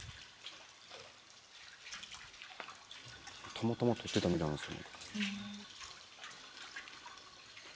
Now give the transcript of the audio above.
たまたま撮ってたみたいなんです。